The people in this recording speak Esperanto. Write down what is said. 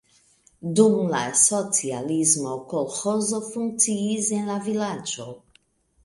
Dum la socialismo kolĥozo funkciis en la vilaĝo.